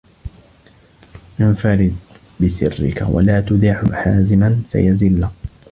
انْفَرِدْ بِسِرِّك وَلَا تُودِعْهُ حَازِمًا فَيَزِلَّ